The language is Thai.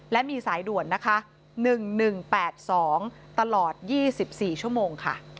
และมีสายด่วนนะคะ๑๑๘๒ตลอด๒๔ชั่วโมงค่ะ